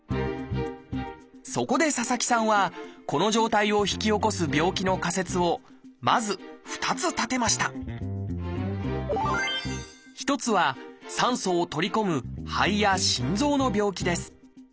そこで佐々木さんはこの状態を引き起こす病気の仮説をまず２つ立てました一つは酸素を取り込む肺や心臓の病気です。